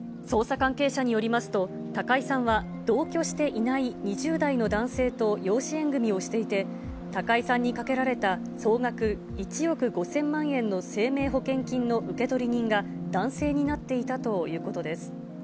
捜査関係者によりますと、高井さんは同居していない２０代の男性と養子縁組みをしていて、高井さんにかけられた総額１億５０００万円の生命保険金の受け取り人が男性になっていたということです。